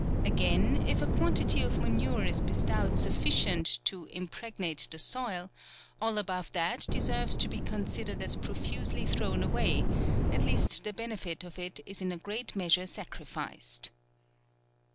Again, if a quantity of manure is bestowed sufficient to impregnate the soil, all above that deserves to be consi dered as profusely thrown away, at least the benefit of it is in a great measure sacrificed.